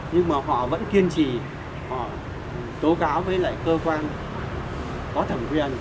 nhưng mà họ vẫn kiên trì họ tố cáo với lại cơ quan có thẩm quyền